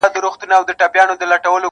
په هوا کشپ روان وو ننداره سوه -